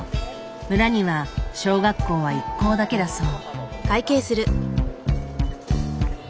村には小学校は１校だけだそう。